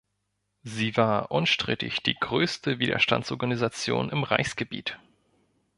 Sie war „unstrittig die größte Widerstandsorganisation im Reichsgebiet“.